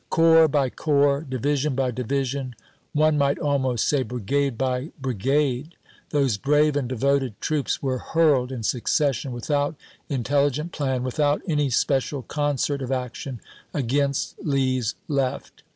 Corps by corps, di vision by division, one might almost say brigade by brigade, those brave and devoted troops were hurled in succession, without intelligent plan, with out any special concert of action, against Lee's left.